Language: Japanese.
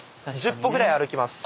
１０歩ぐらい歩きます。